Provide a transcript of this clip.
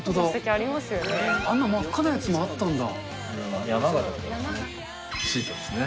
あんな真っ赤なやつもあった山形ですね。